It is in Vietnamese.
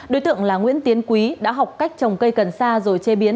đối tượng là nguyễn tiến quý đã học cách trồng cây cần sa rồi chế biến